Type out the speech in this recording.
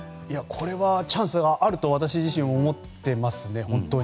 これはチャンスがあると私自身、思ってますね。